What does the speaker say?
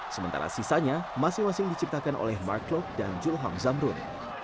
sementara sisanya masing masing diciptakan oleh mark klok dan julham zamrun